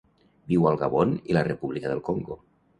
Viu al Gabon i la República del Congo.